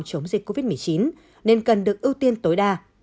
để tăng cường phòng chống dịch covid một mươi chín nên cần ưu tiên tối đa